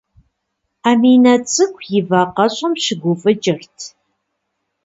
Аминэ цӏыкӏу и вакъэщӏэм щыгуфӏыкӏырт.